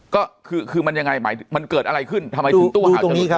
ก็คือมันยังไงมันเกิดอะไรขึ้นทำไมถึงตู้ห่าวจะหลุดคดี